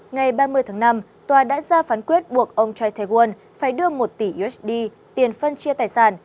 ngày ba mươi tháng năm tòa đã ra phán quyết buộc ông chay tae world phải đưa một tỷ usd tiền phân chia tài sản